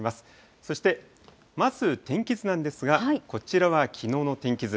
そしてまず、天気図なんですが、こちらはきのうの天気図。